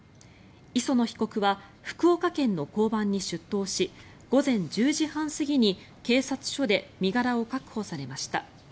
磯野被告は福岡県の交番に出頭し午前１０時半過ぎに警察署で身柄を確保されました。